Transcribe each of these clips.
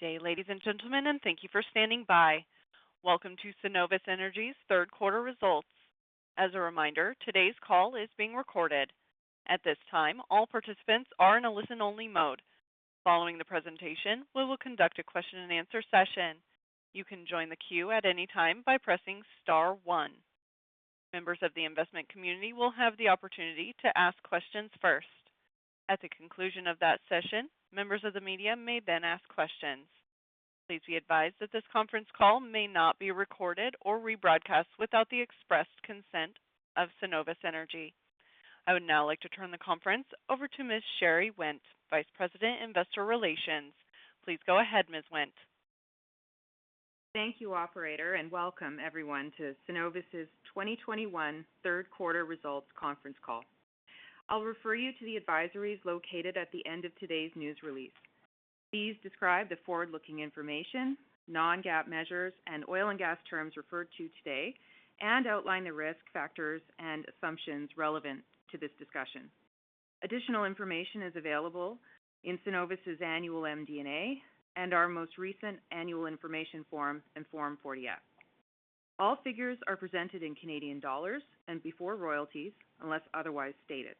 Good day, ladies and gentlemen, and thank you for standing by. Welcome to Cenovus Energy's Third Quarter Results. As a reminder, today's call is being recorded. At this time, all participants are in a listen-only mode. Following the presentation, we will conduct a question-and-answer session. You can join the queue at any time by pressing star one. Members of the investment community will have the opportunity to ask questions first. At the conclusion of that session, members of the media may then ask questions. Please be advised that this conference call may not be recorded or rebroadcast without the express consent of Cenovus Energy. I would now like to turn the conference over to Ms. Sherry Wendt, Vice President, Investor Relations. Please go ahead, Ms. Wendt. Thank you, operator, and welcome everyone to Cenovus's 2021 third quarter results conference call. I'll refer you to the advisories located at the end of today's news release. These describe the forward-looking information, non-GAAP measures, and oil and gas terms referred to today, and outline the risk factors and assumptions relevant to this discussion. Additional information is available in Cenovus's annual MD&A and our most recent annual information form and Form 40-F. All figures are presented in Canadian dollars and before royalties, unless otherwise stated.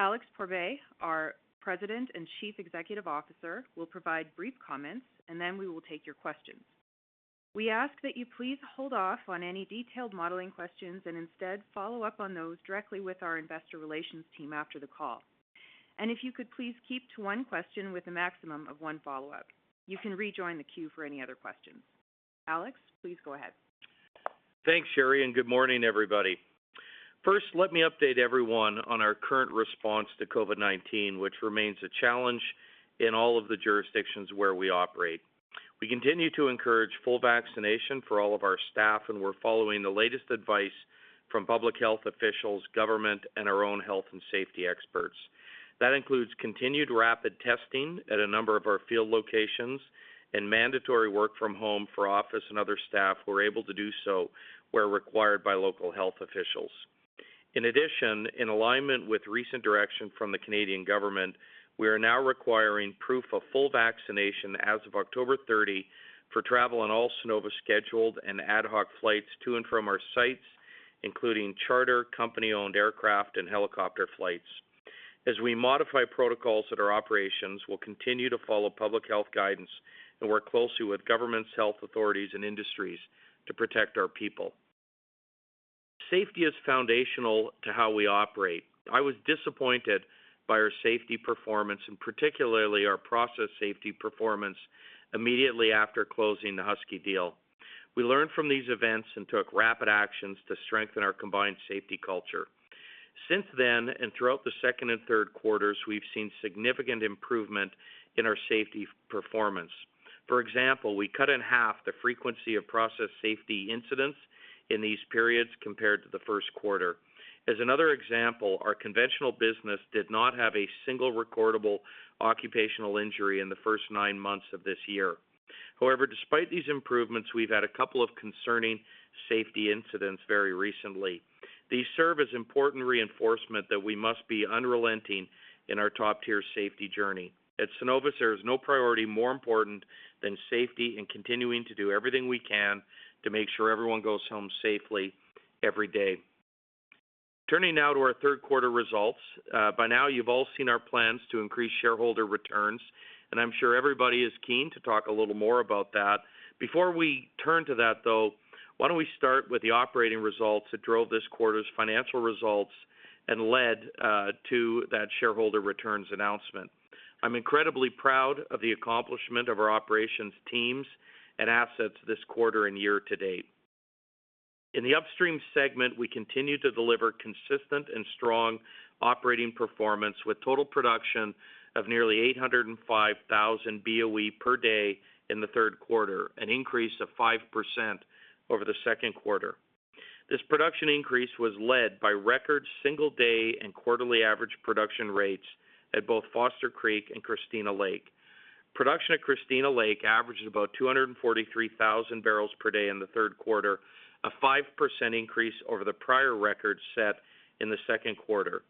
Alex Pourbaix, our President and Chief Executive Officer, will provide brief comments, and then we will take your questions. We ask that you please hold off on any detailed modeling questions and instead follow up on those directly with our investor relations team after the call. If you could please keep to one question with a maximum of one follow-up. You can rejoin the queue for any other questions. Alex, please go ahead. Thanks, Sherry, and good morning, everybody. First, let me update everyone on our current response to COVID-19, which remains a challenge in all of the jurisdictions where we operate. We continue to encourage full vaccination for all of our staff, and we're following the latest advice from public health officials, government, and our own health and safety experts. That includes continued rapid testing at a number of our field locations and mandatory work from home for office and other staff who are able to do so where required by local health officials. In addition, in alignment with recent direction from the Canadian government, we are now requiring proof of full vaccination as of October 30 for travel on all Cenovus scheduled and ad hoc flights to and from our sites, including charter, company-owned aircraft and helicopter flights. As we modify protocols at our operations, we'll continue to follow public health guidance and work closely with governments, health authorities, and industries to protect our people. Safety is foundational to how we operate. I was disappointed by our safety performance and particularly our process safety performance immediately after closing the Husky deal. We learned from these events and took rapid actions to strengthen our combined safety culture. Since then, and throughout the second and third quarters, we've seen significant improvement in our safety performance. For example, we cut in half the frequency of process safety incidents in these periods compared to the first quarter. As another example, our conventional business did not have a single recordable occupational injury in the first nine months of this year. However, despite these improvements, we've had a couple of concerning safety incidents very recently. These serve as important reinforcement that we must be unrelenting in our top-tier safety journey. At Cenovus, there is no priority more important than safety and continuing to do everything we can to make sure everyone goes home safely every day. Turning now to our third quarter results. By now you've all seen our plans to increase shareholder returns, and I'm sure everybody is keen to talk a little more about that. Before we turn to that, though, why don't we start with the operating results that drove this quarter's financial results and led to that shareholder returns announcement. I'm incredibly proud of the accomplishment of our operations teams and assets this quarter and year to date. In the Upstream segment, we continued to deliver consistent and strong operating performance with total production of nearly 805,000 BOE per day in the third quarter, an increase of 5% over the second quarter. This production increase was led by record single day and quarterly average production rates at both Foster Creek and Christina Lake. Production at Christina Lake averaged about 243,000 barrels per day in the third quarter, a 5% increase over the prior record set in the second quarter.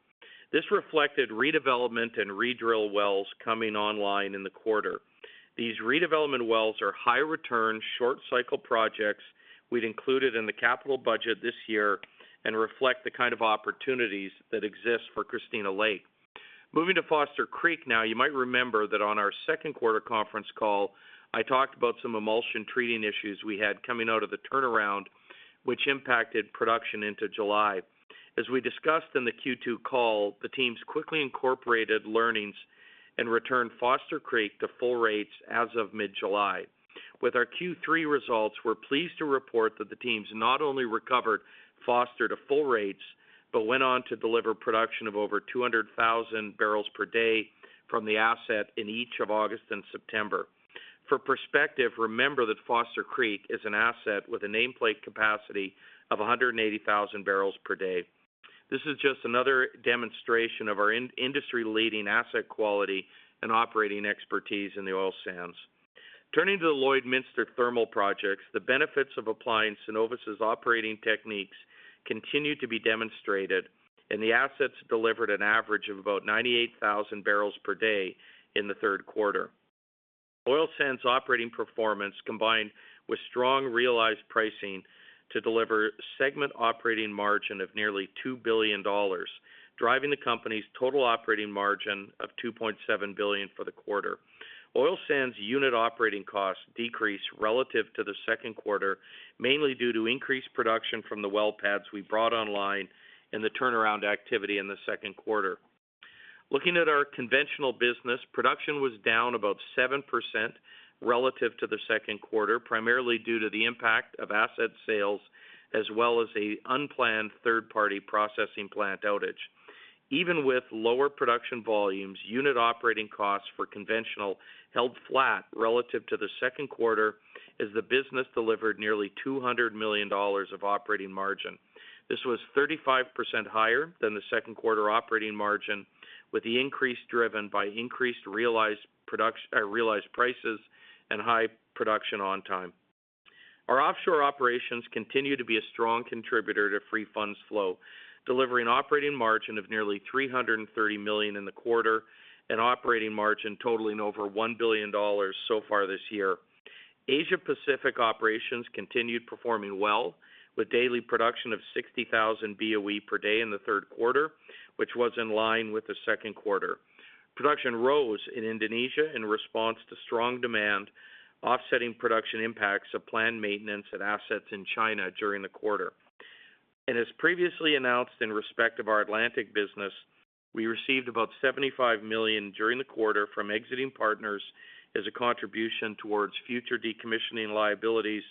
This reflected redevelopment and re-drill wells coming online in the quarter. These redevelopment wells are high return, short-cycle projects we'd included in the capital budget this year and reflect the kind of opportunities that exist for Christina Lake. Moving to Foster Creek now, you might remember that on our second quarter conference call, I talked about some emulsion treating issues we had coming out of the turnaround, which impacted production into July. As we discussed in the Q2 call, the teams quickly incorporated learnings and returned Foster Creek to full rates as of mid-July. With our Q3 results, we're pleased to report that the teams not only recovered Foster to full rates, but went on to deliver production of over 200,000 barrels per day from the asset in each of August and September. For perspective, remember that Foster Creek is an asset with a nameplate capacity of 180,000 barrels per day. This is just another demonstration of our in-industry-leading asset quality and operating expertise in the oil sands. Turning to the Lloydminster thermal projects, the benefits of applying Cenovus's operating techniques continued to be demonstrated, and the assets delivered an average of about 98,000 barrels per day in the third quarter. Oil Sands operating performance combined with strong realized pricing to deliver segment operating margin of nearly 2 billion dollars, driving the company's total operating margin of 2.7 billion for the quarter. Oil Sands unit operating costs decreased relative to the second quarter, mainly due to increased production from the well pads we brought online and the turnaround activity in the second quarter. Looking at our conventional business, production was down about 7% relative to the second quarter, primarily due to the impact of asset sales as well as an unplanned third-party processing plant outage. Even with lower production volumes, unit operating costs for conventional held flat relative to the second quarter as the business delivered nearly 200 million dollars of operating margin. This was 35% higher than the second quarter operating margin, with the increase driven by increased realized prices and high production on time. Our offshore operations continue to be a strong contributor to free funds flow, delivering operating margin of nearly 330 million in the quarter and operating margin totaling over 1 billion dollars so far this year. Asia Pacific operations continued performing well, with daily production of 60,000 BOE per day in the third quarter, which was in line with the second quarter. Production rose in Indonesia in response to strong demand, offsetting production impacts of planned maintenance at assets in China during the quarter. As previously announced in respect of our Atlantic business, we received about 75 million during the quarter from exiting partners as a contribution towards future decommissioning liabilities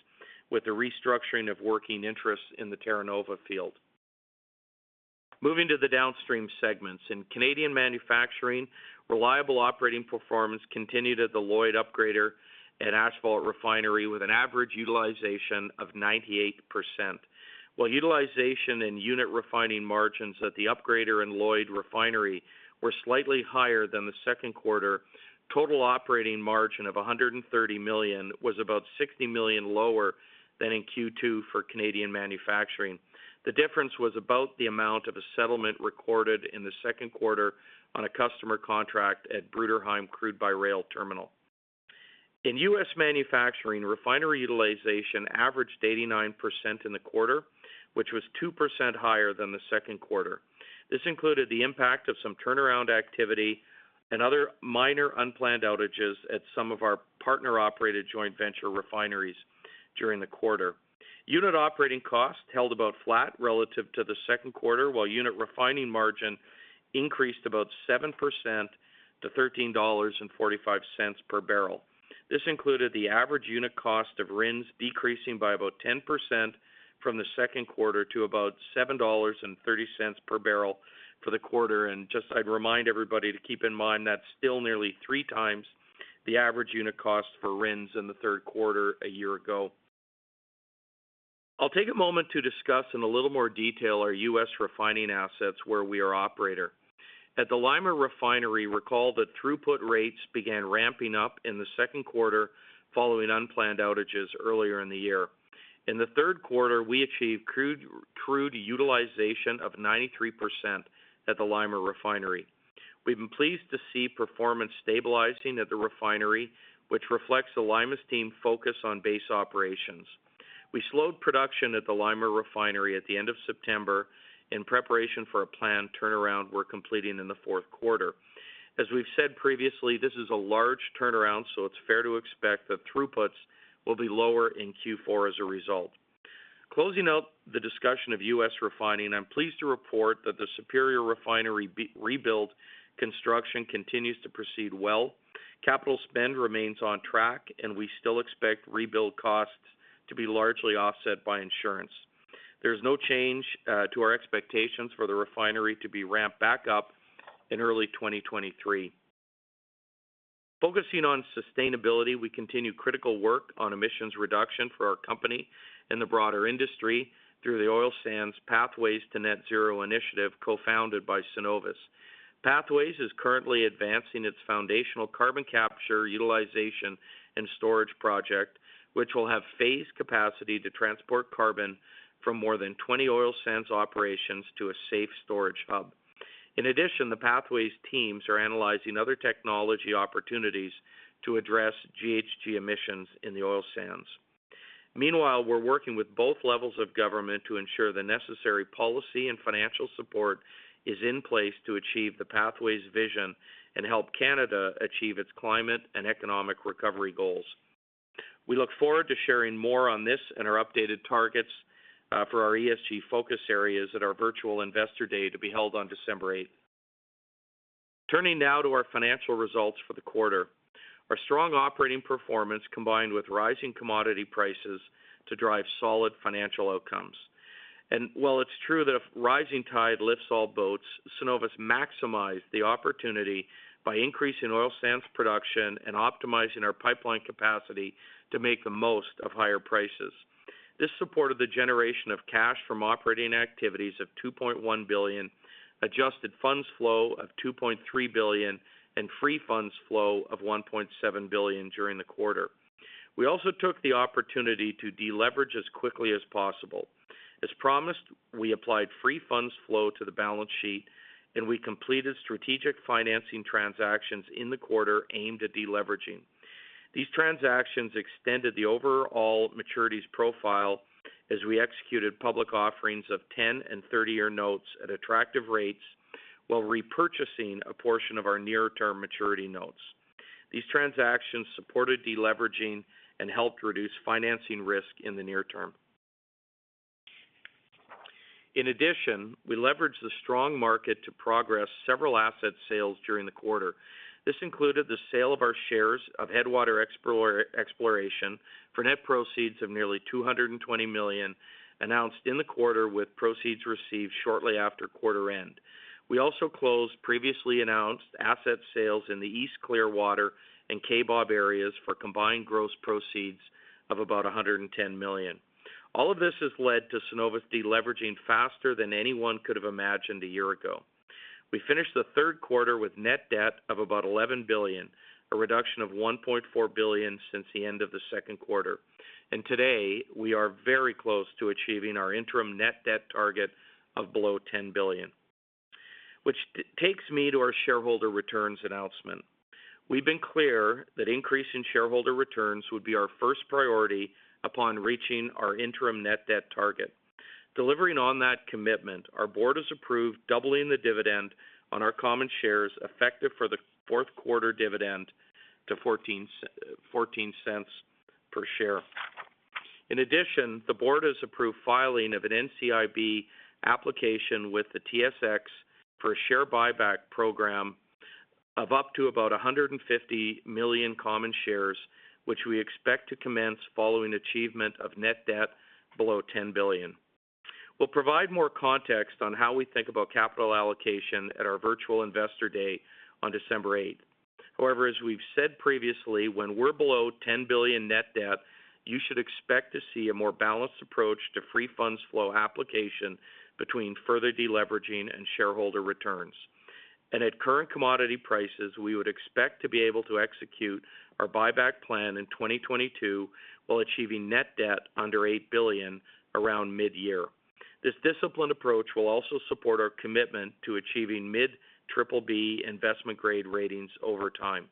with the restructuring of working interests in the Terra Nova field. Moving to the downstream segments. In Canadian manufacturing, reliable operating performance continued at the Lloyd Upgrader and Asphalt Refinery with an average utilization of 98%. While utilization and unit refining margins at the upgrader and Lloyd Refinery were slightly higher than the second quarter, total operating margin of 130 million was about 60 million lower than in Q2 for Canadian manufacturing. The difference was about the amount of a settlement recorded in the second quarter on a customer contract at Bruderheim Crude-by-Rail Terminal. In US manufacturing, refinery utilization averaged 89% in the quarter, which was 2% higher than the second quarter. This included the impact of some turnaround activity and other minor unplanned outages at some of our partner-operated joint venture refineries during the quarter. Unit operating costs held about flat relative to the second quarter, while unit refining margin increased about 7% to $13.45 per barrel. This included the average unit cost of RINs decreasing by about 10% from the second quarter to about $7.30 per barrel for the quarter. Just I'd remind everybody to keep in mind that's still nearly 3x the average unit cost for RINs in the third quarter a year ago. I'll take a moment to discuss in a little more detail our U.S. refining assets where we are operator. At the Lima Refinery, recall that throughput rates began ramping up in the second quarter following unplanned outages earlier in the year. In the third quarter, we achieved crude utilization of 93% at the Lima Refinery. We've been pleased to see performance stabilizing at the refinery, which reflects the Lima's team focus on base operations. We slowed production at the Lima Refinery at the end of September in preparation for a planned turnaround we're completing in the fourth quarter. As we've said previously, this is a large turnaround, so it's fair to expect that throughputs will be lower in Q4 as a result. Closing out the discussion of U.S. refining, I'm pleased to report that the Superior Refinery rebuild construction continues to proceed well. Capital spend remains on track, and we still expect rebuild costs to be largely offset by insurance. There is no change to our expectations for the refinery to be ramped back up in early 2023. Focusing on sustainability, we continue critical work on emissions reduction for our company and the broader industry through the Oil Sands Pathways to Net Zero initiative co-founded by Cenovus. Pathways is currently advancing its foundational carbon capture, utilization, and storage project, which will have phased capacity to transport carbon from more than 20 oil sands operations to a safe storage hub. In addition, the Pathways teams are analyzing other technology opportunities to address GHG emissions in the oil sands. Meanwhile, we're working with both levels of government to ensure the necessary policy and financial support is in place to achieve the Pathways vision and help Canada achieve its climate and economic recovery goals. We look forward to sharing more on this and our updated targets for our ESG focus areas at our virtual Investor Day to be held on December eighth. Turning now to our financial results for the quarter. Our strong operating performance combined with rising commodity prices to drive solid financial outcomes. While it's true that a rising tide lifts all boats, Cenovus maximized the opportunity by increasing oil sands production and optimizing our pipeline capacity to make the most of higher prices. This supported the generation of cash from operating activities of 2.1 billion, adjusted funds flow of 2.3 billion, and free funds flow of 1.7 billion during the quarter. We also took the opportunity to deleverage as quickly as possible. As promised, we applied free funds flow to the balance sheet, and we completed strategic financing transactions in the quarter aimed at deleveraging. These transactions extended the overall maturities profile as we executed public offerings of 10- and 30-year notes at attractive rates while repurchasing a portion of our near-term maturity notes. These transactions supported deleveraging and helped reduce financing risk in the near term. In addition, we leveraged the strong market to progress several asset sales during the quarter. This included the sale of our shares of Headwater Exploration for net proceeds of nearly 220 million, announced in the quarter with proceeds received shortly after quarter end. We also closed previously announced asset sales in the East Clearwater and Kaybob areas for combined gross proceeds of about 110 million. All of this has led to Cenovus deleveraging faster than anyone could have imagined a year ago. We finished the third quarter with net debt of about 11 billion, a reduction of 1.4 billion since the end of the second quarter. Today, we are very close to achieving our interim net debt target of below 10 billion. Which takes me to our shareholder returns announcement. We've been clear that increase in shareholder returns would be our first priority upon reaching our interim net debt target. Delivering on that commitment, our board has approved doubling the dividend on our common shares effective for the fourth quarter dividend to 0.14 per share. In addition, the board has approved filing of an NCIB application with the TSX for a share buyback program of up to about 150 million common shares, which we expect to commence following achievement of net debt below 10 billion. We'll provide more context on how we think about capital allocation at our virtual investor day on December 8. However, as we've said previously, when we're below 10 billion net debt, you should expect to see a more balanced approach to free funds flow application between further deleveraging and shareholder returns. At current commodity prices, we would expect to be able to execute our buyback plan in 2022, while achieving net debt under 8 billion around mid-year. This disciplined approach will also support our commitment to achieving mid-BBB investment grade ratings over time.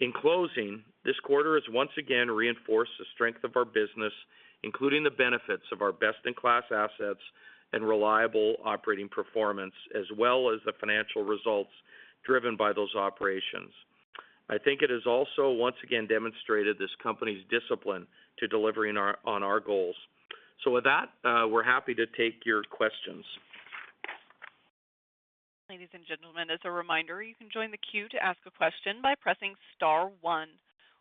In closing, this quarter has once again reinforced the strength of our business, including the benefits of our best-in-class assets and reliable operating performance, as well as the financial results driven by those operations. I think it has also once again demonstrated this company's discipline to delivering on our goals. with that, we're happy to take your questions. Ladies and gentlemen, as a reminder, you can join the queue to ask a question by pressing star one.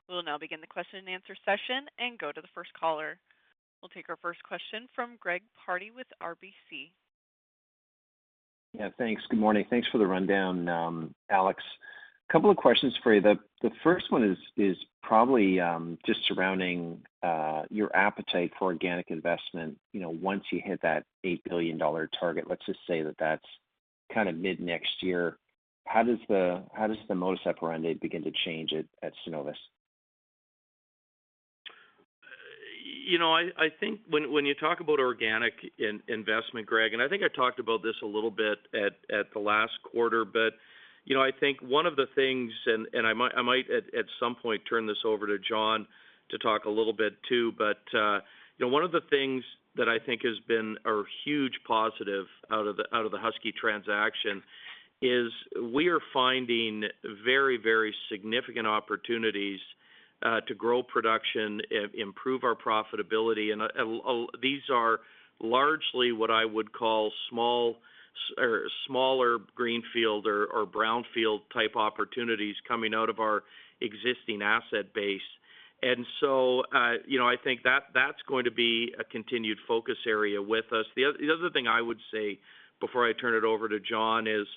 We will now begin the question and answer session and go to the first caller. We'll take our first question from Greg Pardy with RBC Capital Markets. Yeah, thanks. Good morning. Thanks for the rundown, Alex. Couple of questions for you. The first one is probably just surrounding your appetite for organic investment, you know, once you hit that 8 billion dollar target. Let's just say that that's kind of mid-next year. How does the modus operandi begin to change at Cenovus? You know, I think when you talk about organic investment, Greg, and I think I talked about this a little bit at the last quarter. You know, I think one of the things I might at some point turn this over to Jon to talk a little bit too. You know, one of the things that I think has been a huge positive out of the Husky transaction is we are finding very significant opportunities to grow production, improve our profitability. These are largely what I would call small, or smaller greenfield or brownfield type opportunities coming out of our existing asset base. You know, I think that's going to be a continued focus area with us. The other thing I would say before I turn it over to Jon is,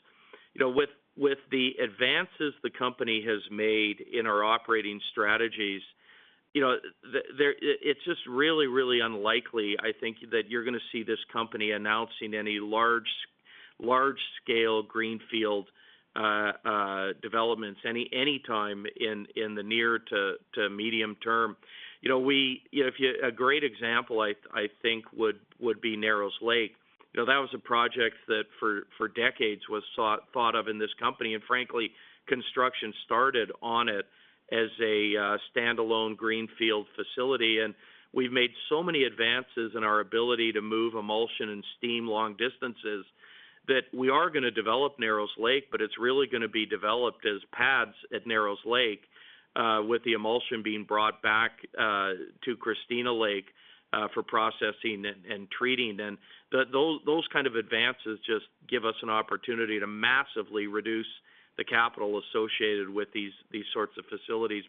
you know, with the advances the company has made in our operating strategies, you know, it's just really unlikely, I think, that you're gonna see this company announcing any large scale greenfield developments anytime in the near to medium term. You know, a great example I think would be Narrows Lake. You know, that was a project that for decades was thought of in this company. Frankly, construction started on it as a standalone greenfield facility. We've made so many advances in our ability to move emulsion and steam long distances that we are gonna develop Narrows Lake, but it's really gonna be developed as pads at Narrows Lake, with the emulsion being brought back to Christina Lake for processing and treating. Those kind of advances just give us an opportunity to massively reduce the capital associated with these sorts of facilities.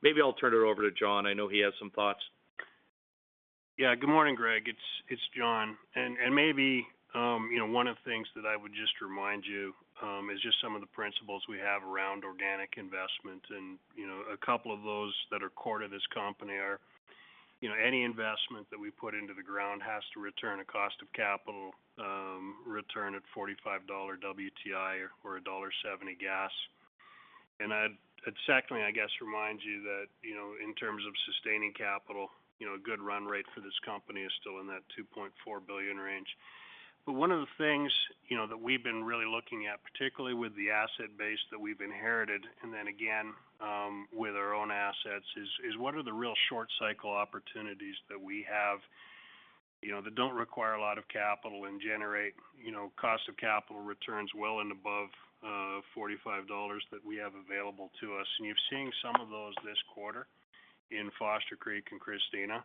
Maybe I'll turn it over to Jon. I know he has some thoughts. Yeah. Good morning, Greg. It's Jon. Maybe you know, one of the things that I would just remind you is just some of the principles we have around organic investment. You know, a couple of those that are core to this company You know, any investment that we put into the ground has to return a cost of capital, return at $45 WTI or $1.70 gas. Secondly, I guess remind you that, you know, in terms of sustaining capital, you know, a good run rate for this company is still in that 2.4 billion range. One of the things, you know, that we've been really looking at, particularly with the asset base that we've inherited, and then again, with our own assets, is what are the real short cycle opportunities that we have, you know, that don't require a lot of capital and generate, you know, cost of capital returns well and above $45 that we have available to us. You're seeing some of those this quarter in Foster Creek and Christina.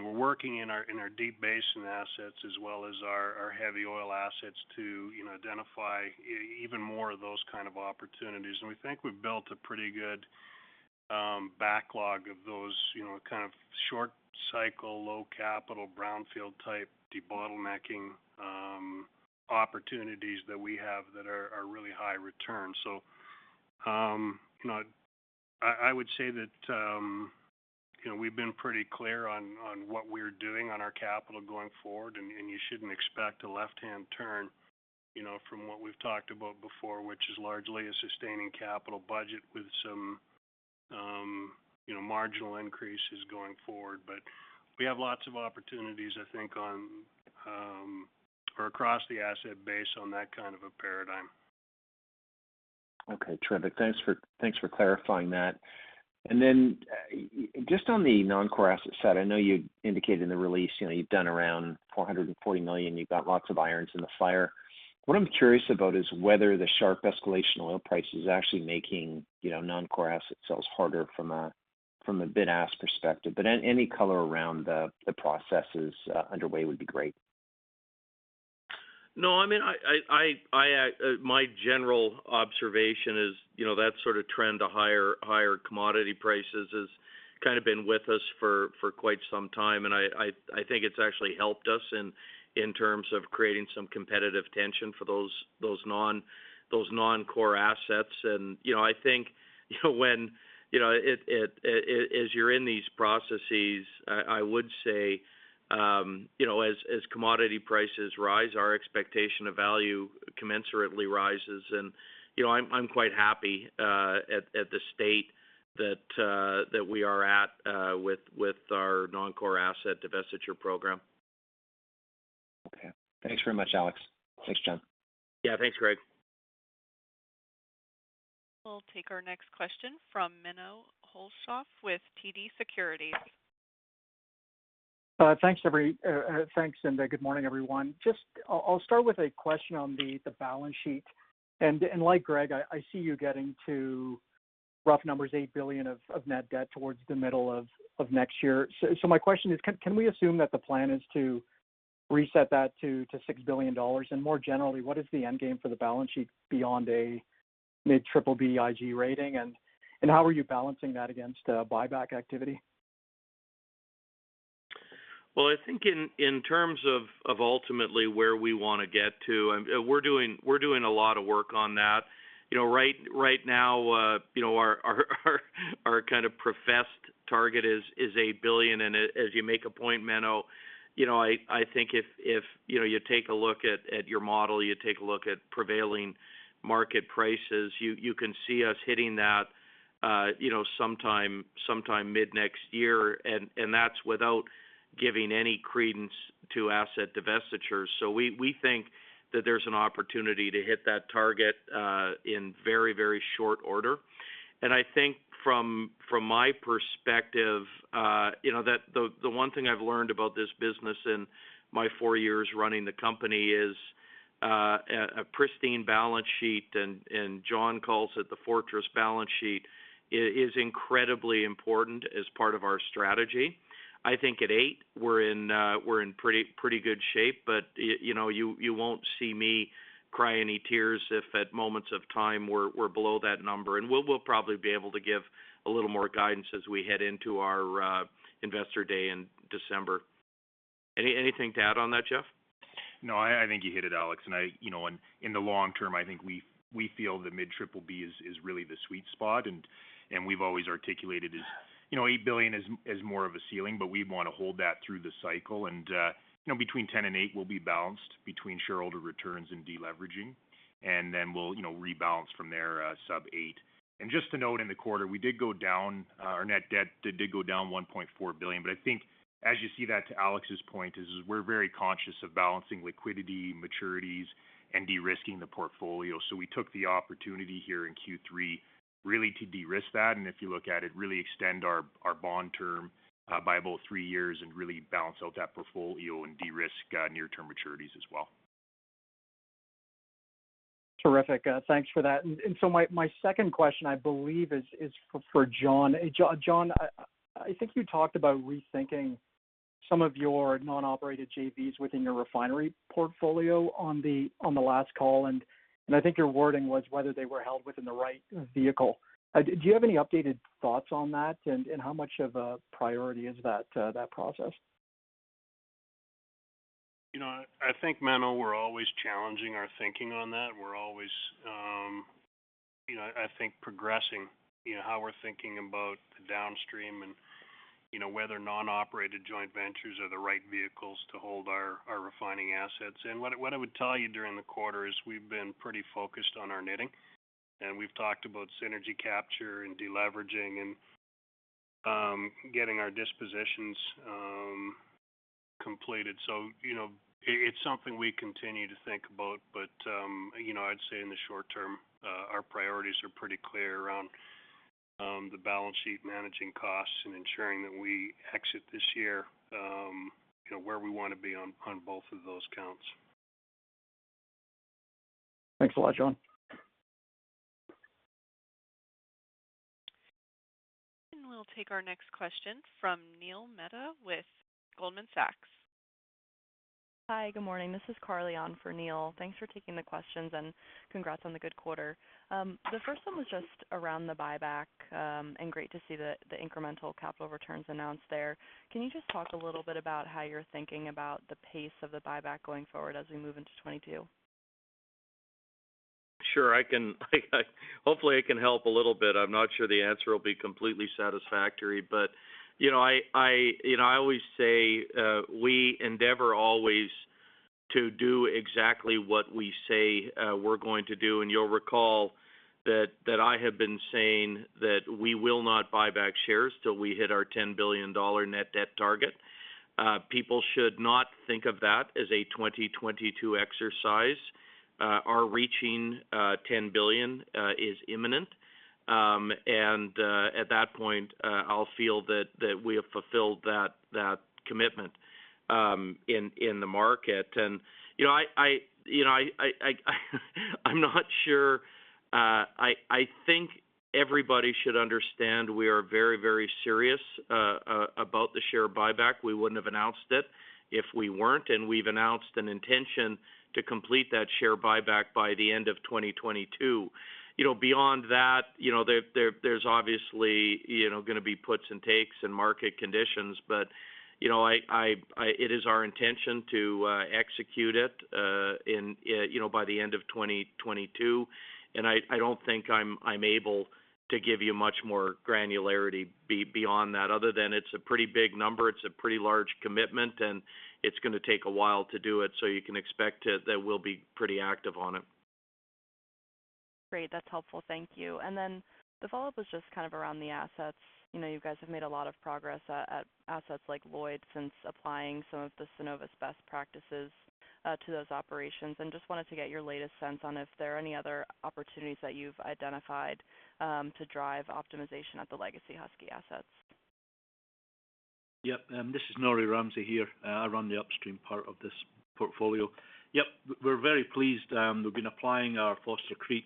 We're working in our Deep Basin assets as well as our heavy oil assets to, you know, identify even more of those kind of opportunities. We think we've built a pretty good backlog of those, you know, kind of short cycle, low capital, brownfield type debottlenecking opportunities that we have that are really high return. You know, I would say that, you know, we've been pretty clear on what we're doing on our capital going forward, and you shouldn't expect a left-hand turn, you know, from what we've talked about before, which is largely a sustaining capital budget with some, you know, marginal increases going forward. We have lots of opportunities, I think, or across the asset base on that kind of a paradigm. Okay, terrific. Thanks for clarifying that. Just on the non-core asset side, I know you indicated in the release, you know, you've done around 440 million, you've got lots of irons in the fire. What I'm curious about is whether the sharp escalation in oil price is actually making, you know, non-core asset sales harder from a bid-ask perspective. Any color around the processes underway would be great. No, I mean, my general observation is, you know, that sort of trend to higher commodity prices has kind of been with us for quite some time. I think it's actually helped us in terms of creating some competitive tension for those non-core assets. You know, I think as you're in these processes, I would say, you know, as commodity prices rise, our expectation of value commensurately rises. You know, I'm quite happy at the state that we are at with our non-core asset divestiture program. Okay. Thanks very much, Alex. Thanks, Jon. Yeah, thanks, Greg. We'll take our next question from Menno Hulshof with TD Securities. Thanks, good morning, everyone. Just I'll start with a question on the balance sheet. Like Greg, I see you getting to rough numbers, 8 billion of net debt towards the middle of next year. My question is, can we assume that the plan is to reset that to 6 billion dollars? More generally, what is the end game for the balance sheet beyond a mid triple B IG rating? How are you balancing that against buyback activity? Well, I think in terms of ultimately where we wanna get to, we're doing a lot of work on that. You know, right now, you know, our kind of professed target is 8 billion. As you make a point, Menno, you know, I think if you take a look at your model, you take a look at prevailing market prices, you can see us hitting that, you know, sometime mid-next year. That's without giving any credence to asset divestitures. We think that there's an opportunity to hit that target in very short order. I think from my perspective, you know, that the one thing I've learned about this business in my 4 years running the company is a pristine balance sheet, and Jon calls it the fortress balance sheet, is incredibly important as part of our strategy. I think at 8, we're in pretty good shape. You know, you won't see me cry any tears if at moments of time we're below that number. We'll probably be able to give a little more guidance as we head into our investor day in December. Anything to add on that, Jeff? No, I think you hit it, Alex. You know, in the long term, I think we feel that mid-BBB is really the sweet spot. We've always articulated it as, you know, 8 billion as more of a ceiling, but we wanna hold that through the cycle. You know, between 10 billion and 8 billion, we'll be balanced between shareholder returns and deleveraging. Then we'll, you know, rebalance from there, sub 8 billion. Just to note in the quarter, our net debt did go down 1.4 billion. But I think as you see that, to Alex's point, we're very conscious of balancing liquidity, maturities, and de-risking the portfolio. We took the opportunity here in Q3 really to de-risk that, and if you look at it, really extend our bond term by about three years and really balance out that portfolio and de-risk near-term maturities as well. Terrific. Thanks for that. My second question, I believe, is for Jon. Jon, I think you talked about rethinking some of your non-operated JVs within your refinery portfolio on the last call. I think your wording was whether they were held within the right vehicle. Do you have any updated thoughts on that? How much of a priority is that process? You know, I think, Mano, we're always challenging our thinking on that. We're always, you know, I think progressing, you know, how we're thinking about the downstream and, you know, whether non-operated joint ventures are the right vehicles to hold our refining assets. What I would tell you during the quarter is we've been pretty focused on our knitting, and we've talked about synergy capture and de-leveraging and getting our dispositions completed. You know, it's something we continue to think about. You know, I'd say in the short term, our priorities are pretty clear around the balance sheet, managing costs and ensuring that we exit this year, you know, where we wanna be on both of those counts. Thanks a lot, Jon. We'll take our next question from Neil Mehta with Goldman Sachs. Hi, good morning. This is Carly on for Neil. Thanks for taking the questions and congrats on the good quarter. The first one was just around the buyback, and great to see the incremental capital returns announced there. Can you just talk a little bit about how you're thinking about the pace of the buyback going forward as we move into 2022? Sure, I can help a little bit. I'm not sure the answer will be completely satisfactory. You know, I always say we endeavor always to do exactly what we say we're going to do. You'll recall that I have been saying that we will not buy back shares till we hit our 10 billion dollar net debt target. People should not think of that as a 2022 exercise. Our reaching CAD 10 billion is imminent. At that point, I'll feel that we have fulfilled that commitment in the market. You know, I'm not sure I think everybody should understand we are very, very serious about the share buyback. We wouldn't have announced it if we weren't, and we've announced an intention to complete that share buyback by the end of 2022. You know, beyond that, you know, there's obviously, you know, gonna be puts and takes in market conditions. You know, it is our intention to execute it in, you know, by the end of 2022. I don't think I'm able to give you much more granularity beyond that other than it's a pretty big number, it's a pretty large commitment, and it's gonna take a while to do it, so you can expect that we'll be pretty active on it. Great. That's helpful. Thank you. Then the follow-up was just kind of around the assets. You know, you guys have made a lot of progress at assets like Lloyd since applying some of the Cenovus best practices to those operations. Just wanted to get your latest sense on if there are any other opportunities that you've identified to drive optimization at the legacy Husky assets. Yep, this is Norrie Ramsay here. I run the upstream part of this portfolio. Yep, we're very pleased. We've been applying our Foster Creek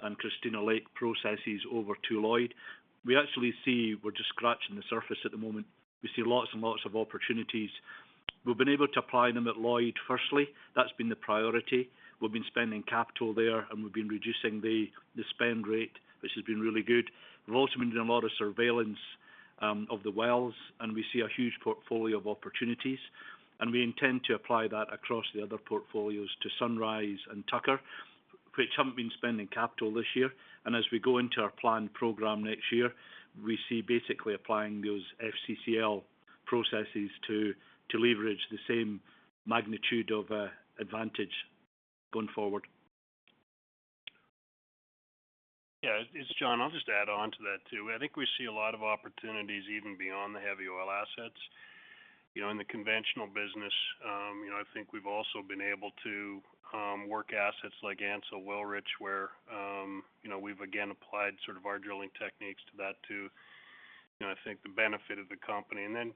and Christina Lake processes over to Lloyd. We actually see we're just scratching the surface at the moment. We see lots and lots of opportunities. We've been able to apply them at Lloyd firstly. That's been the priority. We've been spending capital there, and we've been reducing the spend rate, which has been really good. We've also been doing a lot of surveillance of the wells, and we see a huge portfolio of opportunities, and we intend to apply that across the other portfolios to Sunrise and Tucker, which haven't been spending capital this year. As we go into our planned program next year, we see basically applying those FCCL processes to leverage the same magnitude of advantage going forward. Yeah, it's Jon. I'll just add on to that, too. I think we see a lot of opportunities even beyond the heavy oil assets. You know, in the conventional business, you know, I think we've also been able to work assets like Ansell-Wilrich, where, you know, we've again applied sort of our drilling techniques to that, too, you know, I think the benefit of the company. Then,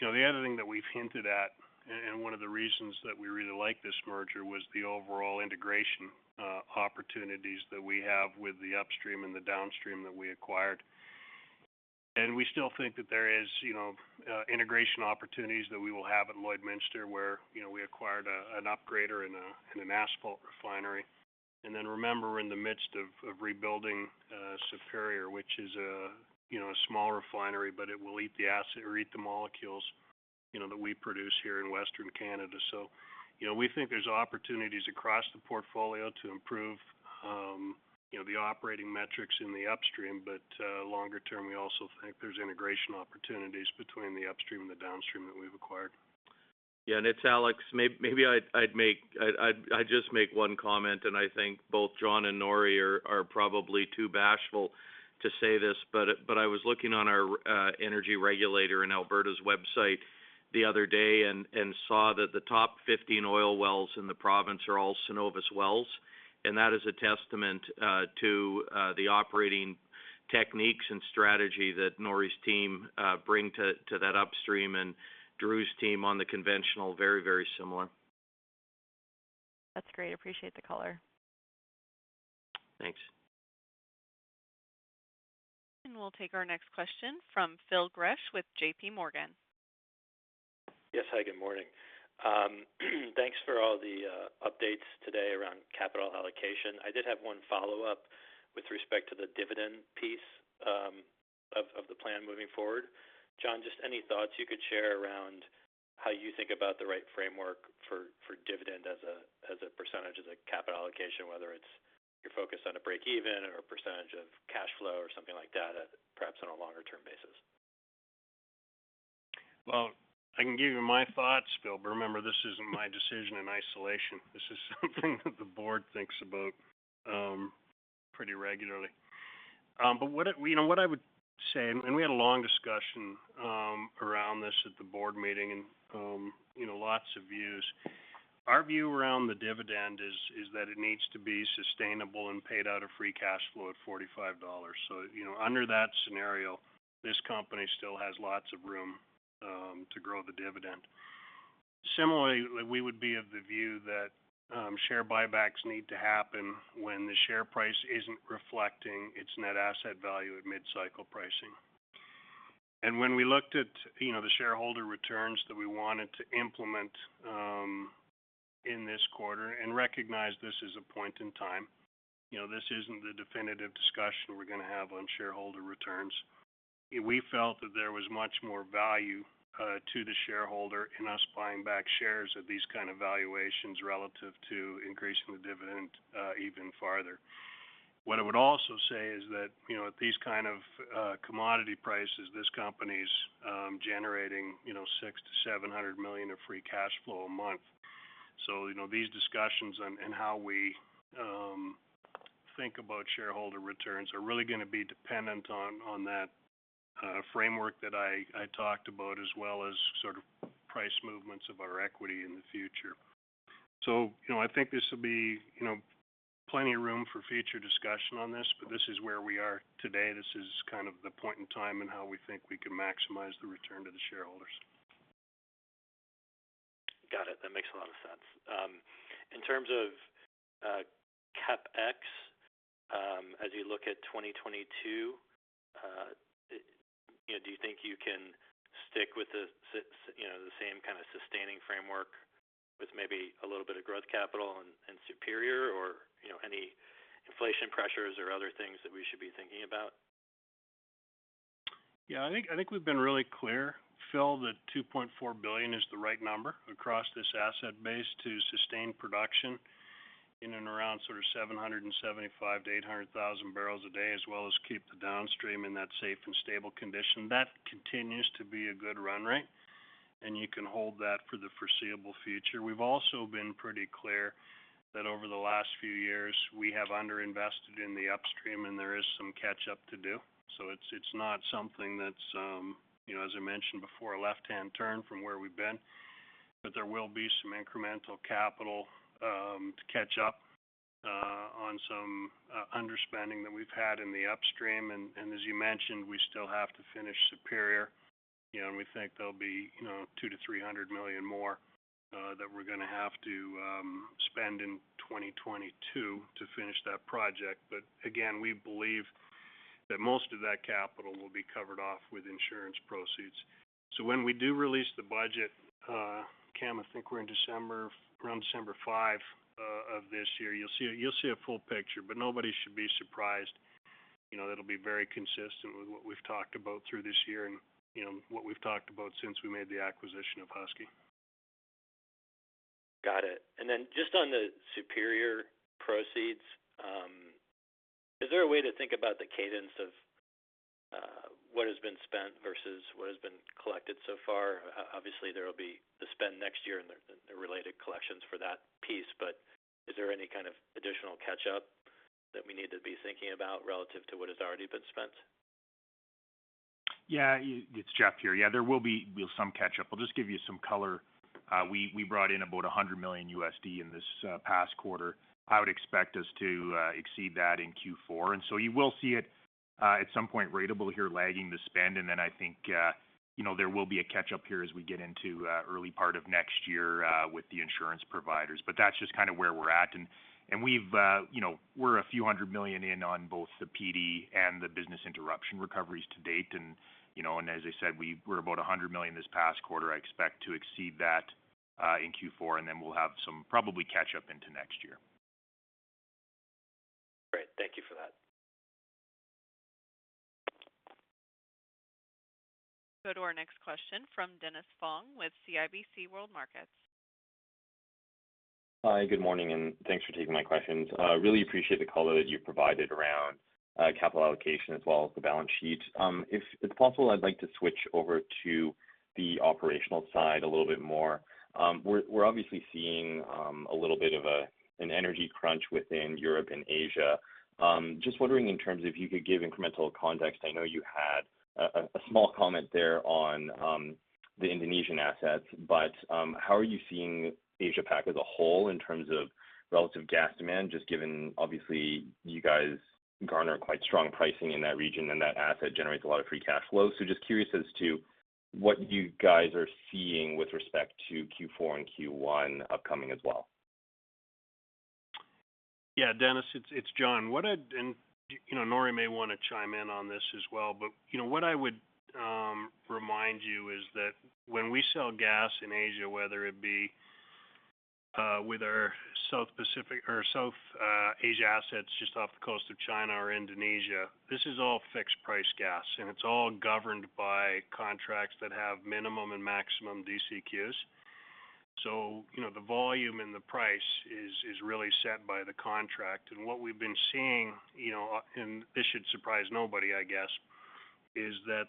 you know, the other thing that we've hinted at, and one of the reasons that we really like this merger was the overall integration opportunities that we have with the upstream and the downstream that we acquired. We still think that there is, you know, integration opportunities that we will have at Lloydminster, where, you know, we acquired an upgrader and an asphalt refinery. Remember, we're in the midst of rebuilding Superior, which is a small refinery, but it will eat the asphalt or eat the molecules, you know, that we produce here in Western Canada. We think there's opportunities across the portfolio to improve, you know, the operating metrics in the upstream. Longer term, we also think there's integration opportunities between the upstream and the downstream that we've acquired. Yeah, it's Alex. Maybe I'd just make one comment, and I think both Jon and Norrie are probably too bashful to say this. I was looking on the Alberta Energy Regulator's website the other day and saw that the top 15 oil wells in the province are all Cenovus wells. That is a testament to the operating techniques and strategy that Norrie's team bring to that upstream and Drew's team on the conventional, very similar. That's great. Appreciate the color. Thanks. We'll take our next question from Phil Gresh with JPMorgan. Yes. Hi, good morning. Thanks for all the updates today around capital allocation. I did have one follow-up with respect to the dividend piece of the plan moving forward. Jon, just any thoughts you could share around how you think about the right framework for dividend as a percentage of the capital allocation, whether it's your focus on a breakeven or a percentage of cash flow or something like that, perhaps on a longer-term basis. Well, I can give you my thoughts, Phil, but remember, this isn't my decision in isolation. This is something that the board thinks about pretty regularly. What I, you know, what I would say, and we had a long discussion around this at the board meeting, and you know, lots of views. Our view around the dividend is that it needs to be sustainable and paid out of free cash flow at $45. You know, under that scenario, this company still has lots of room to grow the dividend. Similarly, we would be of the view that share buybacks need to happen when the share price isn't reflecting its net asset value at mid-cycle pricing. When we looked at, you know, the shareholder returns that we wanted to implement in this quarter and recognize this is a point in time, you know, this isn't the definitive discussion we're gonna have on shareholder returns. We felt that there was much more value to the shareholder in us buying back shares at these kind of valuations relative to increasing the dividend even farther. What I would also say is that, you know, at these kind of commodity prices, this company's generating, you know, 600-700 million of free cash flow a month. So, you know, these discussions on how we think about shareholder returns are really gonna be dependent on that framework that I talked about, as well as sort of price movements of our equity in the future. you know, I think this will be, you know, plenty of room for future discussion on this, but this is where we are today. This is kind of the point in time and how we think we can maximize the return to the shareholders. Got it. That makes a lot of sense. In terms of CapEx, as you look at 2022, you know, do you think you can stick with the same kind of sustaining framework with maybe a little bit of growth capital in Superior? Or, you know, any inflation pressures or other things that we should be thinking about? Yeah, I think we've been really clear, Phil, that 2.4 billion is the right number across this asset base to sustain production in and around sort of 775,000-800,000 barrels a day, as well as keep the downstream in that safe and stable condition. That continues to be a good run rate, and you can hold that for the foreseeable future. We've also been pretty clear that over the last few years, we have underinvested in the upstream and there is some catch up to do. It's not something that's, you know, as I mentioned before, a left-hand turn from where we've been. There will be some incremental capital to catch up on some underspending that we've had in the upstream. As you mentioned, we still have to finish Superior, you know, and we think there'll be, you know, 200-300 million more that we're gonna have to spend in 2022 to finish that project. But again, we believe that most of that capital will be covered off with insurance proceeds. When we do release the budget, Cam, I think we're in December, around December 5, of this year, you'll see a full picture, but nobody should be surprised. You know, that'll be very consistent with what we've talked about through this year and, you know, what we've talked about since we made the acquisition of Husky. Got it. Just on the Superior proceeds, is there a way to think about the cadence of what has been spent versus what has been collected so far? Obviously, there will be the spend next year and the related collections for that piece. But is there any kind of additional catch-up that we need to be thinking about relative to what has already been spent? Yeah, it's Jeff here. Yeah, there will be some catch-up. I'll just give you some color. We brought in about $100 million in this past quarter. I would expect us to exceed that in Q4. You will see it at some point ratable here, lagging the spend. I think you know there will be a catch-up here as we get into early part of next year with the insurance providers. That's just kind of where we're at. We've you know we're a few hundred million in on both the PD and the business interruption recoveries to date. You know as I said, we're about $100 million this past quarter. I expect to exceed that in Q4, and then we'll have some probably catch up into next year. Great. Thank you for that. Go to our next question from Dennis Fong with CIBC World Markets. Hi, good morning, and thanks for taking my questions. Really appreciate the color that you provided around capital allocation as well as the balance sheet. If possible, I'd like to switch over to the operational side a little bit more. We're obviously seeing a little bit of an energy crunch within Europe and Asia. Just wondering in terms if you could give incremental context. I know you had a small comment there on the Indonesian assets. How are you seeing Asia Pac as a whole in terms of relative gas demand, just given obviously you guys garner quite strong pricing in that region and that asset generates a lot of free cash flow. Just curious as to what you guys are seeing with respect to Q4 and Q1 upcoming as well. Yeah, Dennis, it's Jon. What I would remind you is that when we sell gas in Asia, whether it be with our South Pacific or South Asia assets just off the coast of China or Indonesia, this is all fixed price gas, and it's all governed by contracts that have minimum and maximum DCQs. You know, the volume and the price is really set by the contract. What we've been seeing, you know, and this should surprise nobody, I guess, is that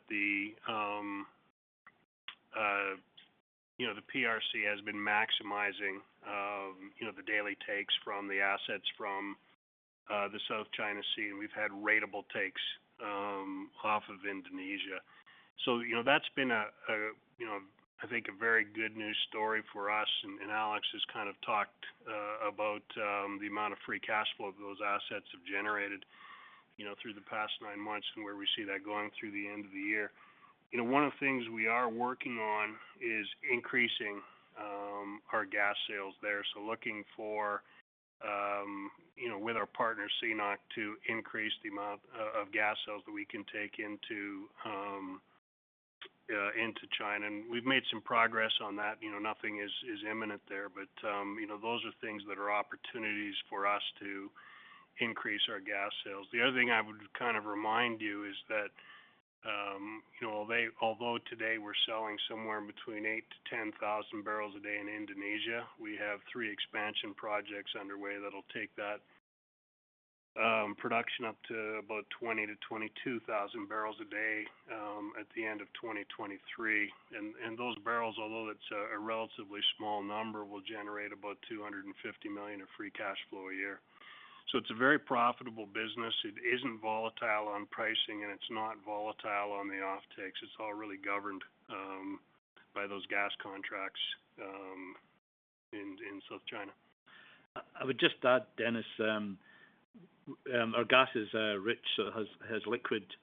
you know, the PRC has been maximizing you know, the daily takes from the assets from the South China Sea, and we've had ratable takes off of Indonesia. You know, that's been a you know, I think a very good news story for us. Alex has kind of talked about the amount of free cash flow those assets have generated, you know, through the past 9 months and where we see that going through the end of the year. You know, one of the things we are working on is increasing our gas sales there, looking for, you know, with our partner, CNOOC, to increase the amount of gas sales that we can take into China. We've made some progress on that. You know, nothing is imminent there, but you know, those are things that are opportunities for us to increase our gas sales. The other thing I would kind of remind you is that, you know, although today we're selling somewhere between 8,000-10,000 barrels a day in Indonesia, we have three expansion projects underway that'll take that production up to about 20,000-22,000 barrels a day at the end of 2023. Those barrels, although that's a relatively small number, will generate about 250 million of free cash flow a year. It's a very profitable business. It isn't volatile on pricing, and it's not volatile on the offtakes. It's all really governed by those gas contracts in South China. I would just add, Dennis, our gas is rich, so it has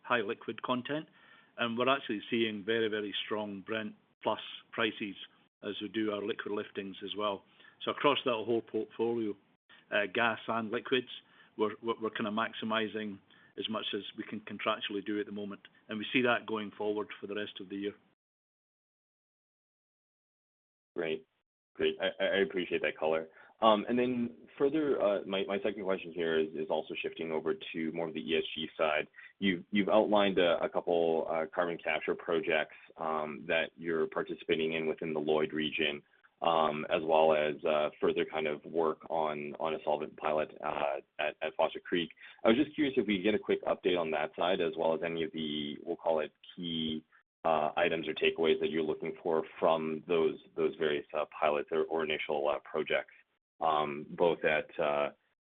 high liquid content. We're actually seeing very strong Brent plus prices as we do our liquid liftings as well. Across that whole portfolio, gas and liquids, we're kind of maximizing as much as we can contractually do at the moment, and we see that going forward for the rest of the year. Great. I appreciate that color. Further, my second question here is also shifting over to more of the ESG side. You've outlined a couple carbon capture projects that you're participating in within the Lloyd region as well as further kind of work on a solvent pilot at Foster Creek. I was just curious if we could get a quick update on that side as well as any of the, we'll call it key items or takeaways that you're looking for from those various pilots or initial projects both at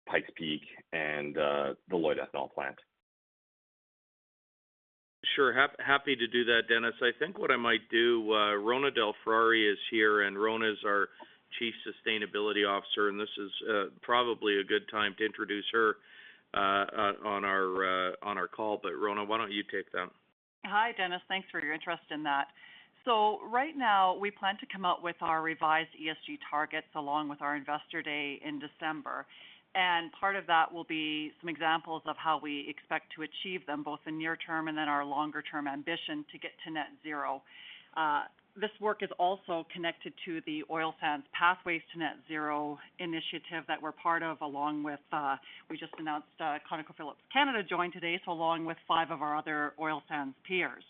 Pikes Peak and the Lloyd ethanol plant. Sure. Happy to do that, Dennis. I think what I might do, Rhona DelFrari is here, and Rhona's our Chief Sustainability Officer, and this is probably a good time to introduce her on our call. Rhona, why don't you take that? Hi, Dennis. Thanks for your interest in that. Right now, we plan to come out with our revised ESG targets along with our Investor Day in December. Part of that will be some examples of how we expect to achieve them, both in near term and then our longer-term ambition to get to net zero. This work is also connected to the Oil Sands Pathways to Net Zero initiative that we're part of along with, we just announced, ConocoPhillips Canada joined today, so along with five of our other oil sands peers.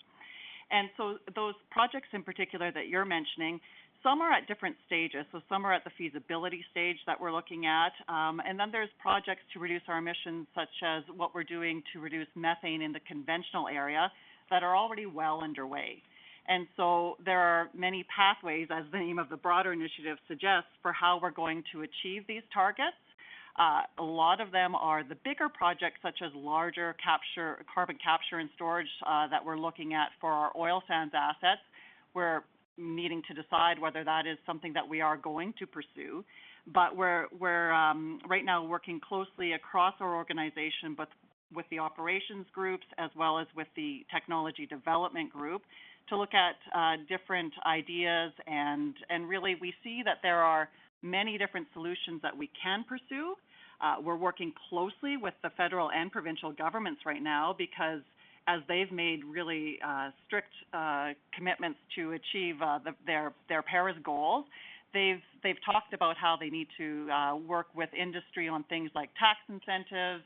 Those projects in particular that you're mentioning, some are at different stages. Some are at the feasibility stage that we're looking at. Then there's projects to reduce our emissions, such as what we're doing to reduce methane in the conventional area that are already well underway. There are many pathways, as the name of the broader initiative suggests, for how we're going to achieve these targets. A lot of them are the bigger projects, such as carbon capture and storage that we're looking at for our oil sands assets. We're needing to decide whether that is something that we are going to pursue. We're right now working closely across our organization, both with the operations groups as well as with the technology development group to look at different ideas. Really we see that there are many different solutions that we can pursue. We're working closely with the federal and provincial governments right now because as they've made really strict commitments to achieve their Paris goals, they've talked about how they need to work with industry on things like tax incentives,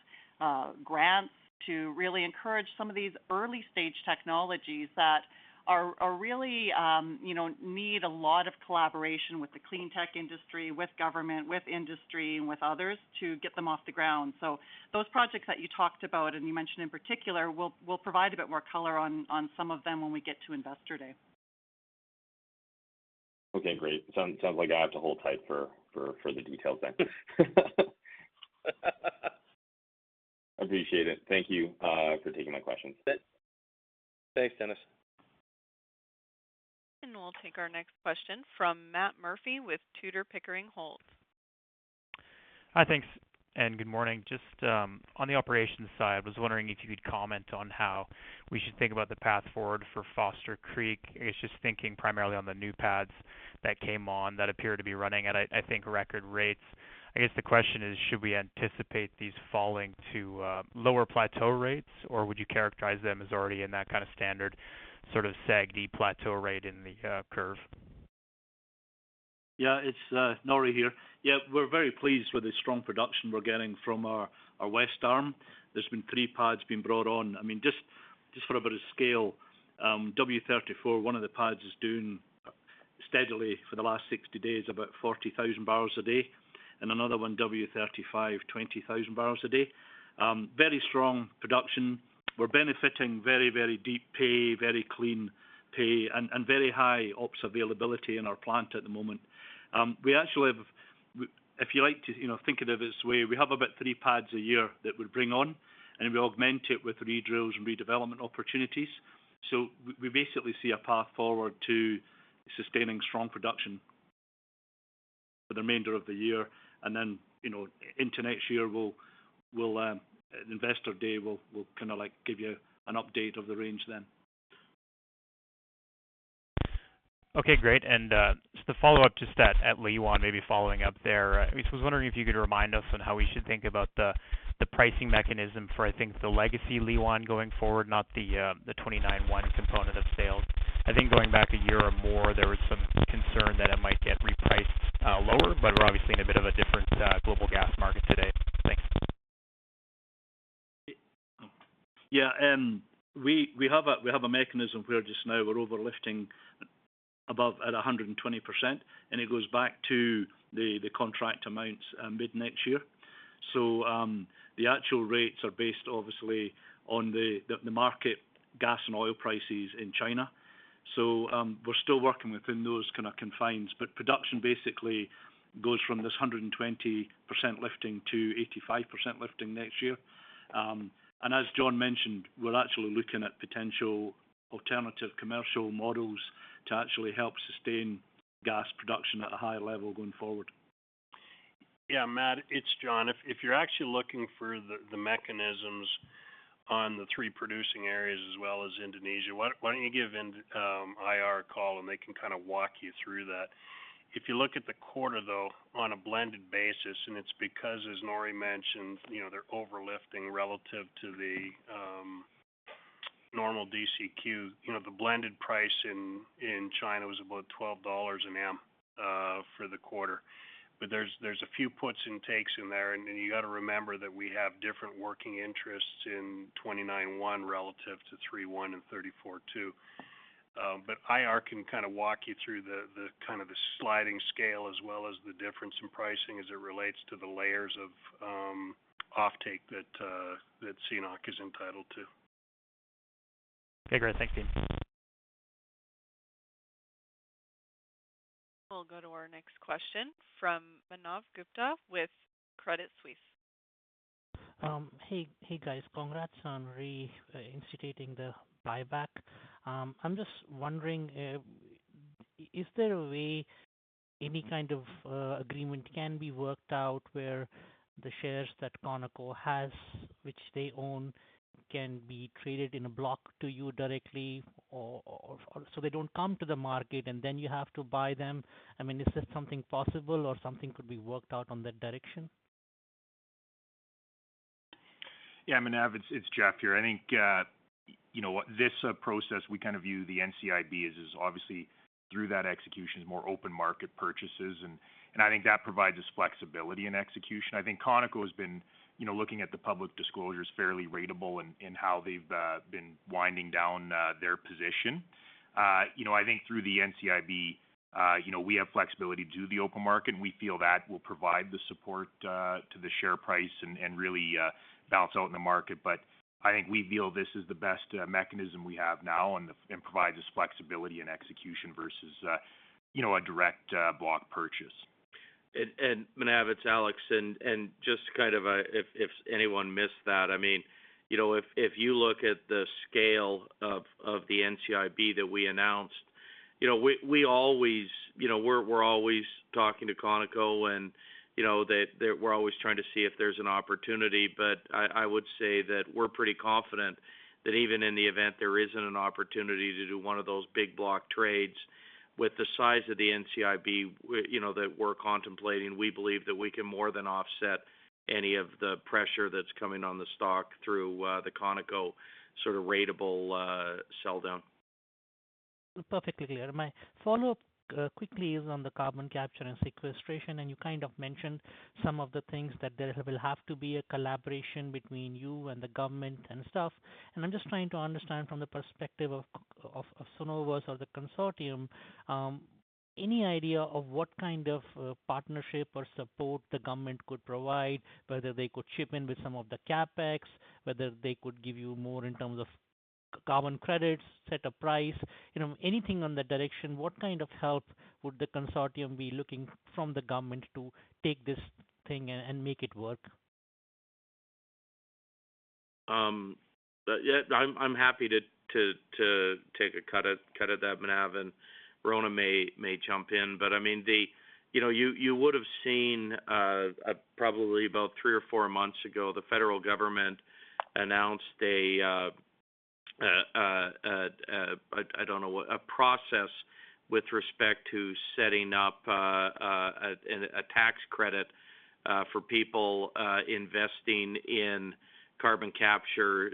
grants to really encourage some of these early-stage technologies that are really you know need a lot of collaboration with the clean tech industry, with government, with industry, and with others to get them off the ground. Those projects that you talked about and you mentioned in particular, we'll provide a bit more color on some of them when we get to Investor Day. Okay, great. Sounds like I have to hold tight for the details then. I appreciate it. Thank you for taking my questions. Thanks, Dennis. We'll take our next question from Matt Murphy with TPH, Pickering, Holt. Hi, thanks, and good morning. Just on the operations side, I was wondering if you could comment on how we should think about the path forward for Foster Creek. I guess just thinking primarily on the new pads that came on that appear to be running at, I think, record rates. I guess the question is, should we anticipate these falling to lower plateau rates, or would you characterize them as already in that kind of standard sort of SAGD plateau rate in the curve? Yeah, it's Norrie here. Yeah, we're very pleased with the strong production we're getting from our west arm. There's been 3 pads being brought on. I mean, just for a bit of scale, W 34, one of the pads is doing steadily for the last 60 days, about 40,000 barrels a day, and another one, W 35, 20,000 barrels a day. Very strong production. We're benefiting very deep pay, very clean pay, and very high ops availability in our plant at the moment. We actually have, if you like to, you know, think of it this way, we have about 3 pads a year that we bring on, and we augment it with redrills and redevelopment opportunities. We basically see a path forward to sustaining strong production for the remainder of the year. You know, into next year, Investor Day, we'll kind of like give you an update of the range then. Okay, great. Just a follow-up to that at Liwan, maybe following up there. I was just wondering if you could remind us on how we should think about the pricing mechanism for, I think, the legacy Liwan going forward, not the 29-1 component of sales. I think going back a year or more, there was some concern that it might get repriced lower, but we're obviously in a bit of a different global gas market today. Thanks. We have a mechanism where just now we're overlifting above at 120%, and it goes back to the contract amounts mid-next year. The actual rates are based obviously on the market gas and oil prices in China. We're still working within those kind of confines, but production basically goes from this 120% lifting to 85% lifting next year. As Jon mentioned, we're actually looking at potential alternative commercial models to actually help sustain gas production at a high level going forward. Yeah, Matt, it's Jon. If you're actually looking for the mechanisms on the three producing areas as well as Indonesia, why don't you give IR a call and they can kind of walk you through that. If you look at the quarter though, on a blended basis, it's because as Norrie mentioned, you know, they're overlifting relative to the normal DCQ. You know, the blended price in China was about $12 an M for the quarter. But there's a few puts and takes in there. Then you got to remember that we have different working interests in 29-1 relative to 3-1 and 34-2. IR can kind of walk you through the kind of sliding scale as well as the difference in pricing as it relates to the layers of offtake that CNOOC is entitled to. Okay, great. Thank you. We'll go to our next question from Manav Gupta with Credit Suisse. Hey guys. Congrats on reinstating the buyback. I'm just wondering, is there a way any kind of agreement can be worked out where the shares that ConocoPhillips has, which they own, can be traded in a block to you directly or so they don't come to the market and then you have to buy them. I mean, is this something possible or something could be worked out in that direction? Yeah. Manav, it's Jeff here. I think you know, this process, we kind of view the NCIB as is obviously through that execution is more open market purchases, and I think that provides us flexibility in execution. I think ConocoPhillips has been you know, looking at the public disclosures fairly ratable in how they've been winding down their position. You know, I think through the NCIB you know, we have flexibility to do the open market, and we feel that will provide the support to the share price and really balance out in the market. I think we feel this is the best mechanism we have now and provides us flexibility and execution versus you know, a direct block purchase. Manav, it's Alex. Just kind of, if anyone missed that, I mean, you know, if you look at the scale of the NCIB that we announced, you know, we always, you know, we're always talking to ConocoPhillips and, you know, we're always trying to see if there's an opportunity. I would say that we're pretty confident that even in the event there isn't an opportunity to do one of those big block trades, with the size of the NCIB that we're contemplating, you know, we believe that we can more than offset any of the pressure that's coming on the stock through the Cenovus sort of ratable sell down. Perfectly clear. My follow-up quickly is on the carbon capture and sequestration, and you kind of mentioned some of the things that there will have to be a collaboration between you and the government and stuff. I'm just trying to understand from the perspective of Cenovus or the consortium, any idea of what kind of partnership or support the government could provide, whether they could chip in with some of the CapEx, whether they could give you more in terms of carbon credits, set a price. You know, anything on that direction, what kind of help would the consortium be looking from the government to take this thing and make it work? Yeah. I'm happy to take a cut at that, Manav, and Rhona may jump in. I mean, you know, you would have seen probably about three or four months ago, the federal government announced a process with respect to setting up. A tax credit for people investing in carbon capture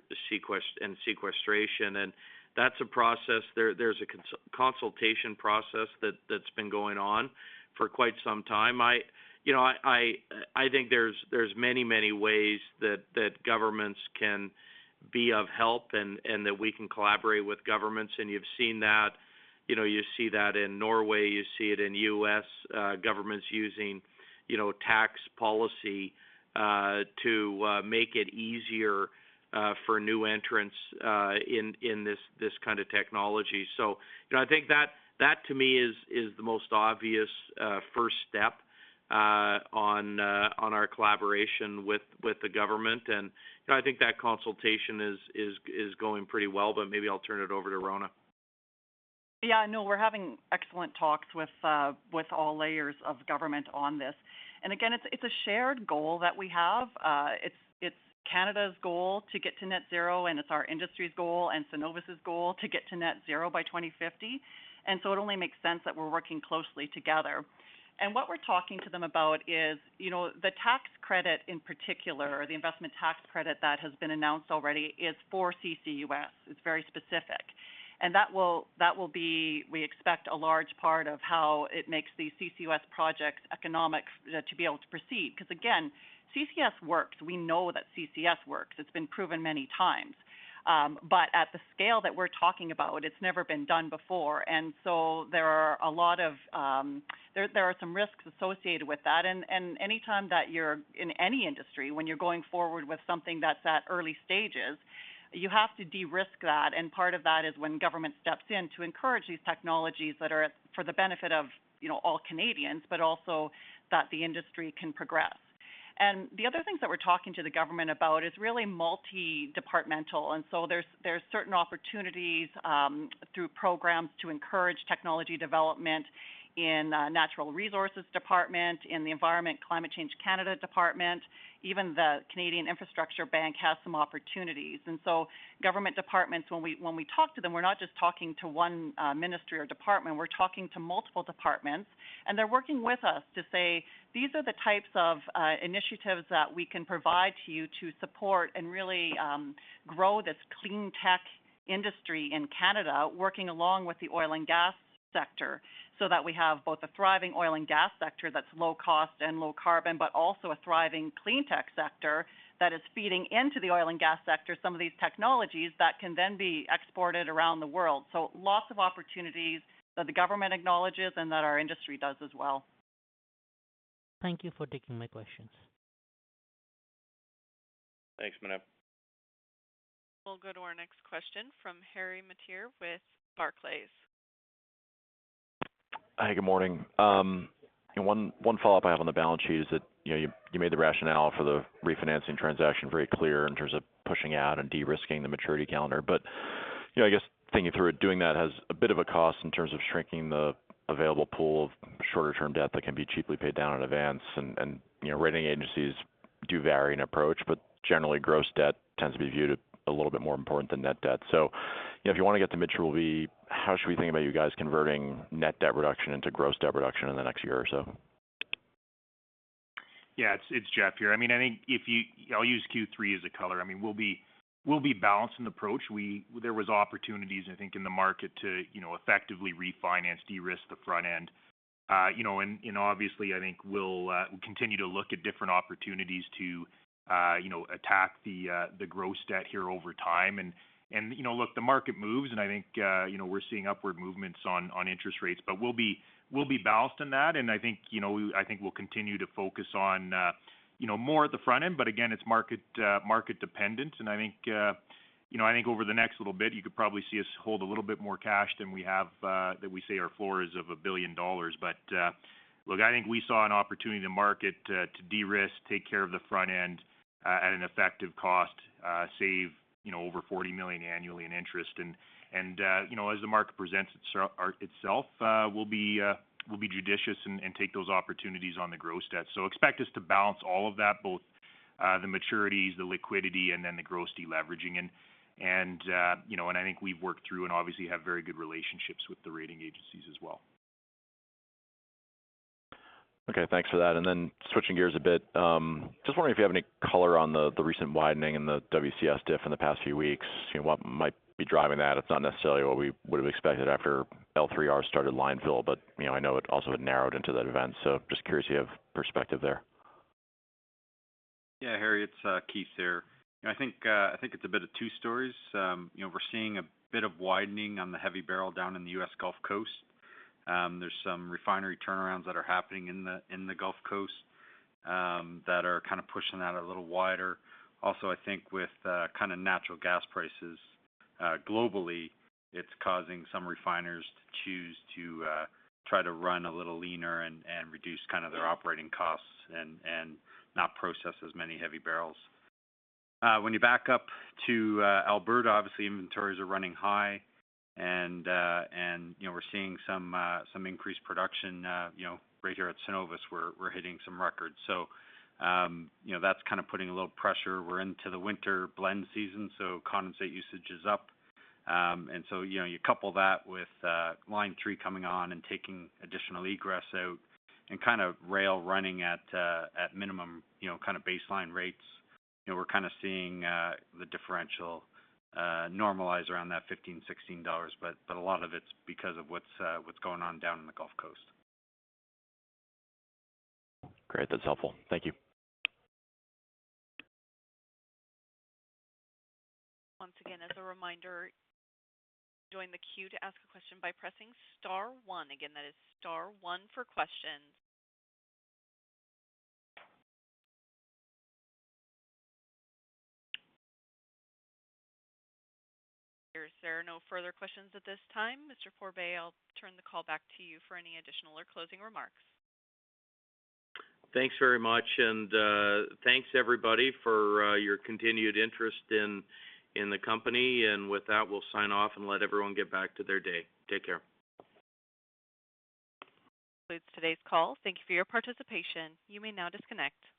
and sequestration. That's a process there. There's a consultation process that's been going on for quite some time. You know, I think there's many ways that governments can be of help and that we can collaborate with governments. You've seen that. You know, you see that in Norway, you see it in U.S., governments using tax policy to make it easier for new entrants in this kind of technology. You know, I think that to me is the most obvious first step on our collaboration with the government. You know, I think that consultation is going pretty well, but maybe I'll turn it over to Rhona. Yeah, no, we're having excellent talks with all layers of government on this. Again, it's a shared goal that we have. It's Canada's goal to get to net zero, and it's our industry's goal and Cenovus's goal to get to net zero by 2050. It only makes sense that we're working closely together. What we're talking to them about is, you know, the tax credit in particular, or the investment tax credit that has been announced already is for CCUS. It's very specific. That will be, we expect, a large part of how it makes these CCUS projects economic to be able to proceed. Because again, CCS works. We know that CCS works. It's been proven many times. But at the scale that we're talking about, it's never been done before. There are a lot of there are some risks associated with that. Any time that you're in any industry, when you're going forward with something that's at early stages, you have to de-risk that. Part of that is when government steps in to encourage these technologies that are for the benefit of, you know, all Canadians, but also that the industry can progress. The other things that we're talking to the government about is really multi-departmental. There's certain opportunities through programs to encourage technology development in natural resources department, in the Environment and Climate Change Canada department, even the Canadian Infrastructure Bank has some opportunities. Government departments, when we talk to them, we're not just talking to one ministry or department, we're talking to multiple departments, and they're working with us to say, "These are the types of initiatives that we can provide to you to support and really grow this clean tech industry in Canada, working along with the oil and gas sector, so that we have both a thriving oil and gas sector that's low cost and low carbon, but also a thriving clean tech sector that is feeding into the oil and gas sector some of these technologies that can then be exported around the world." Lots of opportunities that the government acknowledges and that our industry does as well. Thank you for taking my questions. Thanks, Manav. We'll go to our next question from Harry Mateer with Barclays. Hi, good morning. One follow-up I have on the balance sheet is that, you know, you made the rationale for the refinancing transaction very clear in terms of pushing out and de-risking the maturity calendar. You know, I guess thinking through it, doing that has a bit of a cost in terms of shrinking the available pool of shorter term debt that can be cheaply paid down in advance. You know, rating agencies do vary in approach, but generally, gross debt tends to be viewed a little bit more important than net debt. You know, if you wanna get to materially, how should we think about you guys converting net debt reduction into gross debt reduction in the next year or so? Yeah, it's Jeff here. I mean, I think I'll use Q3 as a color. I mean, we'll be balanced in approach. There was opportunities, I think, in the market to, you know, effectively refinance, de-risk the front end. You know, and obviously, I think we'll continue to look at different opportunities to, you know, attack the gross debt here over time. You know, look, the market moves and I think, you know, we're seeing upward movements on interest rates, but we'll be balanced in that. I think, you know, I think we'll continue to focus on, you know, more at the front end. But again, it's market dependent. I think, you know, I think over the next little bit, you could probably see us hold a little bit more cash than we have, that we say our floor is of 1 billion dollars. But, look, I think we saw an opportunity in the market, to de-risk, take care of the front end, at an effective cost, save, you know, over 40 million annually in interest. As the market presents itself, we'll be judicious and take those opportunities on the gross debt. So expect us to balance all of that, both the maturities, the liquidity, and then the gross deleveraging. I think we've worked through and obviously have very good relationships with the rating agencies as well. Okay, thanks for that. Then switching gears a bit, just wondering if you have any color on the recent widening in the WCS diff in the past few weeks. You know, what might be driving that? It's not necessarily what we would have expected after L3R started line fill, but, you know, I know it also had narrowed into that event. Just curious if you have perspective there. Yeah, Harry, it's Keith here. I think it's a bit of two stories. You know, we're seeing a bit of widening on the heavy barrel down in the U.S. Gulf Coast. There's some refinery turnarounds that are happening in the Gulf Coast that are kinda pushing that a little wider. Also, I think with kinda natural gas prices globally, it's causing some refiners to choose to try to run a little leaner and reduce kinda their operating costs and not process as many heavy barrels. When you back up to Alberta, obviously inventories are running high and you know, we're seeing some increased production, you know, right here at Cenovus we're hitting some records. So you know, that's kinda putting a little pressure. We're into the winter blend season, so condensate usage is up. You know, you couple that with Line 3 coming on and taking additional egress out and kind of rail running at minimum, you know, kinda baseline rates. You know, we're kinda seeing the differential normalize around that $15-$16, but a lot of it's because of what's going on down in the Gulf Coast. Great. That's helpful. Thank you. Once again, as a reminder, join the queue to ask a question by pressing star one. Again, that is star one for questions. There's no further questions at this time. Mr. Pourbaix, I'll turn the call back to you for any additional or closing remarks. Thanks very much. Thanks, everybody, for your continued interest in the company. With that, we'll sign off and let everyone get back to their day. Take care. This concludes today's call. Thank you for your participation. You may now disconnect.